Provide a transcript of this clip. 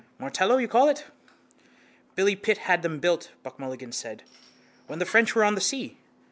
Martello you call it? —Billy Pitt had them built, Buck Mulligan said, when the French were on the sea.